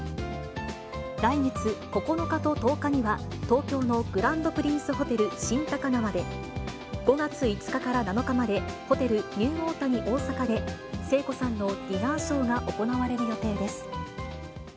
来月９日と１０日には、東京のグランドプリンスホテル新高輪で、５月５日から７日まで、ホテルニューオータニ大阪で、聖子さんのディナーショーが行われる予定です。